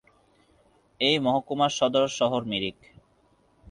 এই মহকুমার সদর শহর মিরিক।